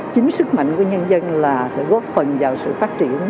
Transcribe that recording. chính sức mạnh của nhân dân là sẽ góp phần vào sự phát triển